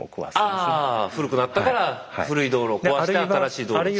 古くなったから古い道路を壊して新しい道路を作る。